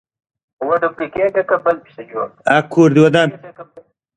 اجمل خټک د پښتو ادب لپاره بې مثاله هڅې کړي.